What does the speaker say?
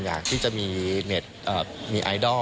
อยากที่จะมีเน็ตมีไอดอล